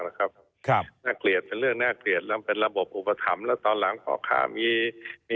มันต้องจัดระบบลงคักใหม่